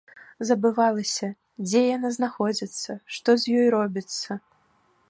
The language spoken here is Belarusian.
Забывалася, дзе яна знаходзіцца, што з ёю робіцца.